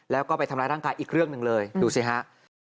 แล้วก็ไปทำร้ายร่างกายอีกเรื่องหนึ่งเลยดูสิฮะ